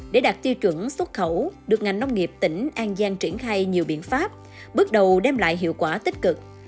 để đạt tiêu chuẩn xuất khẩu được ngành nông nghiệp tỉnh an giang triển khai nhiều biện pháp bước đầu đem lại hiệu quả tích cực